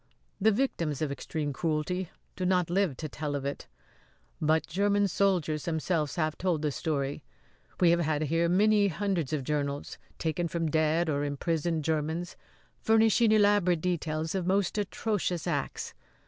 The victims of extreme cruelty do not live to tell of it; but German soldiers themselves have told the story. We have had here many hundreds of journals, taken from dead or imprisoned Germans, furnishing elaborate details of most atrocious acts.